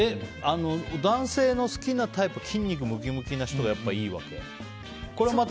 男性の好きなタイプは筋肉ムキムキな人がいいわけ？